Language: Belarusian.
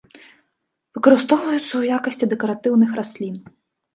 Выкарыстоўваюцца ў якасці дэкаратыўных раслін.